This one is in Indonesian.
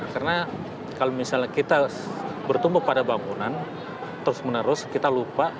karena kalau misalnya kita bertumbuh pada bangunan terus menerus kita lupa